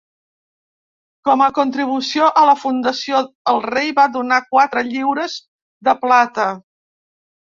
Com a contribució a la fundació el rei va donar quatre lliures de plata.